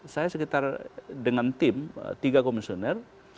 saya sekitar dengan tim tiga komisioner